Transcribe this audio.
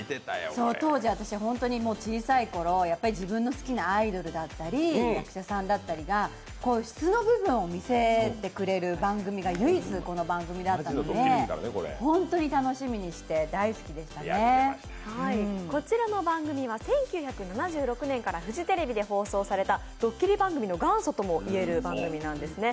当時、私、本当に小さいころ自分の好きなアイドルだったり役者さんだったりが素の部分を見せてくれる番組が唯一、この番組だったので本当に楽しみにしてこちらの番組は１９７６年からフジテレビで放送されたドッキリ番組の元祖とも言える番組なんですね。